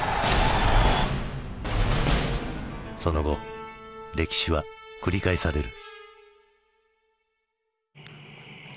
その後歴史は繰り返される。